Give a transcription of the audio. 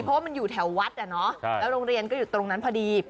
เพราะว่ามันอยู่แถววัดแล้วโรงเรียนก็อยู่ตรงนั้นพอดี